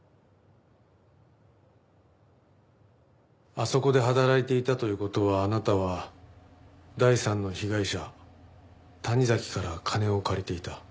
あそこで働いていたという事はあなたは第三の被害者谷崎から金を借りていた。